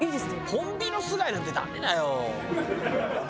「ホンビノス貝」なんてダメだよ。